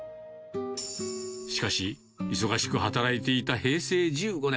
しかし、忙しく働いていた平成１５年。